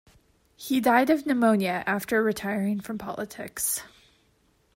He died of pneumonia after retiring from politics.